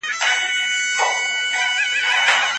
یوې تنکۍ ولسواکۍ په هېواد کې ساه ورکړه.